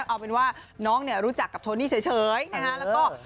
เอาเป็นว่าน้องเนี่ยรู้จักกับโทนี่เฉยนะฮะแล้วก็